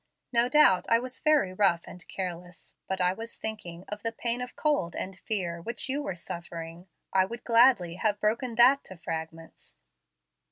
No doubt I was very rough and careless, but I was thinking of the pain of cold and fear which you were suffering. I would gladly have broken that to fragments."